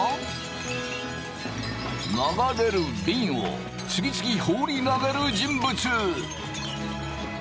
流れるびんを次々放り投げる人物！